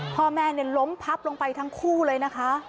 พ่อแม่ล้มพับลงไปทั้งคู่เลยนะคะ